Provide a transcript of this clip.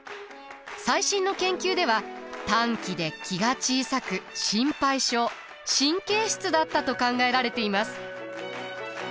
最新の研究では短気で気が小さく心配性神経質だったと考えられています。